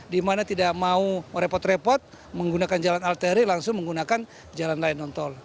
dimana tidak mau repot repot menggunakan jalan alteri langsung menggunakan jalan layang nontol